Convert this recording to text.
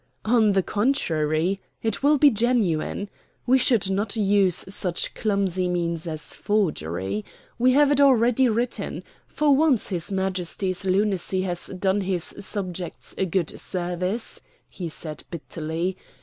"On the contrary, it will be genuine. We should not use such clumsy means as forgery. We have it already written. For once his Majesty's lunacy has done his subjects a good service," he said bitterly.